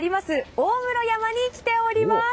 大室山に来ております。